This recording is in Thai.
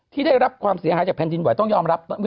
ได้รับความเสียหายจากแผ่นดินไหวต้องยอมรับ